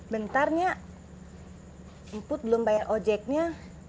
bentar nyak mput belum bayar ojeknya